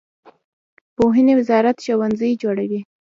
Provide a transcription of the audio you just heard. پوهنې وزارت ښوونځي جوړوي